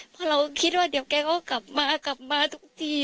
เพราะเราคิดว่าเดี๋ยวแกก็กลับมากลับมาทุกที